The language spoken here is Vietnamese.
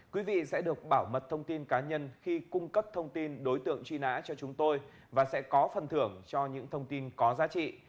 quý vị sẽ được bảo mật thông tin cá nhân khi cung cấp thông tin đối tượng truy nã cho chúng tôi và sẽ có phần thưởng cho những thông tin có giá trị